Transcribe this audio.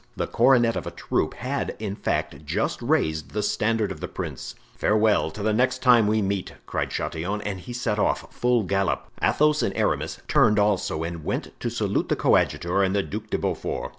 The cornet of a troop had in fact just raised the standard of the prince. "Farewell, till the next time we meet," cried Chatillon, and he set off, full gallop. Athos and Aramis turned also and went to salute the coadjutor and the Duc de Beaufort.